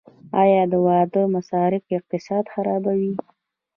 آیا د واده مصارف اقتصاد خرابوي؟